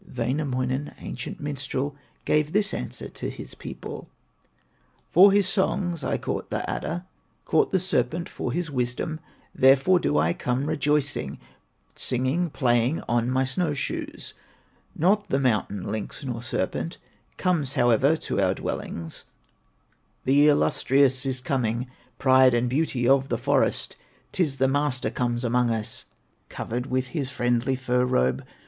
Wainamoinen, ancient minstrel, Gave this answer to his people: "For his songs I caught the adder, Caught the serpent for his wisdom; Therefore do I come rejoicing, Singing, playing, on my snow shoes. Not the mountain lynx, nor serpent, Comes, however, to our dwellings; The Illustrious is coming, Pride and beauty of the forest, 'Tis the Master comes among us, Covered with his friendly fur robe.